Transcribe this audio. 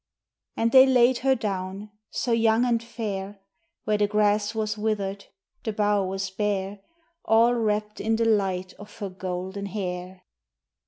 And they laid her down, so young and fair, Where the grass was withered, the bough was bare, All wrapped in the light of her golden hair.